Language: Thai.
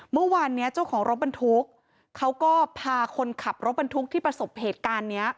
เมื่อวานนี้เจ้าของรถบรรทุกเขาก็พาคนขับรถบรรทุกที่ประสบเหตุการณ์นี้